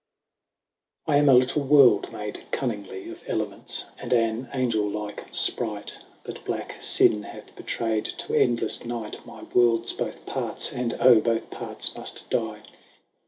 I Am a little world made cunningly Of Elements, and an Angelike fpright, But black finne hath betraid to endlefle night My worlds both parts, and oh both parts muft die.